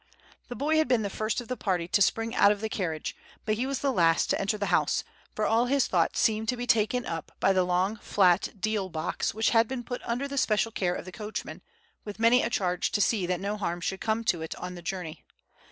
The boy had been the first of the party to spring out of the carriage, but he was the last to enter the house, for all his thoughts seemed to be taken up by the long, flat deal box which had been put under the special care of the coachman, with many a charge to see that no harm should come to it on the journey.